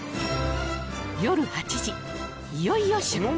夜８時いよいよ出航